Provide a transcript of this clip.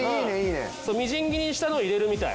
みじん切りにしたのを入れるみたい。